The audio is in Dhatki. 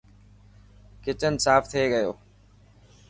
ڪچن ساف ٿي گيو.